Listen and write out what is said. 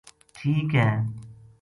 ٹھیک ہے